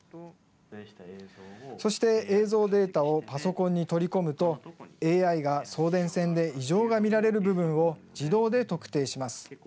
そして映像データをパソコンに取り込むとＡＩが送電線で異常が見られる部分を自動で特定します。